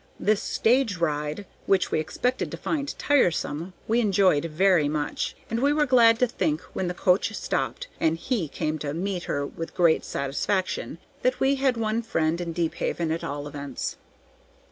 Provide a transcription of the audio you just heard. This stage ride, which we expected to find tiresome, we enjoyed very much, and we were glad to think, when the coach stopped, and "he" came to meet her with great satisfaction, that we had one friend in Deephaven at all events.